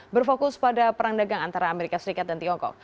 berfokus pada perang dagang antara amerika serikat dan tiongkok